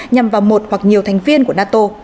nhằm vào một hoặc nhiều thành viên của nato